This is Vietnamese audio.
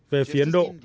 về phía ấn độ